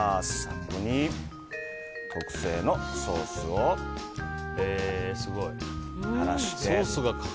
ここに特製ソースを垂らして。